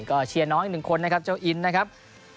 ก็เชียร์น้องอีกหนึ่งคนนะครับเจ้าอินนะครับ